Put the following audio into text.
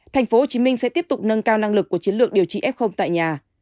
tp hcm sẽ tiếp tục nâng cao năng lực của chiến lược điều trị f tại nhà